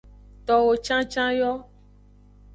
Towo cancan yo.